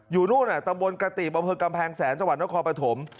อยู่นู่นตำรวจกระติบบำเผิดกำแพงแสนจังหวัดน้อยคอปะถม